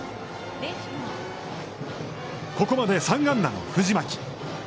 ここまで３安打の藤巻。